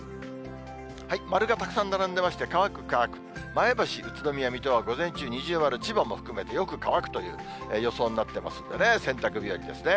丸がたくさん並んでまして、乾く、乾く、前橋、宇都宮、水戸は午前中二重丸、千葉も含めてよく乾くという予想になってますんでね、洗濯日和ですね。